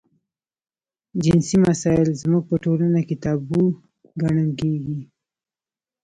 جنسي مسایل زموږ په ټولنه کې تابو ګڼل کېږي.